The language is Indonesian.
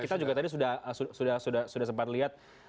kita juga tadi sudah sempat lihat